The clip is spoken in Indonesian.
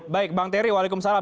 baik bang ferry waalaikumsalam